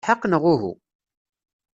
Tla lḥeqq, neɣ uhu?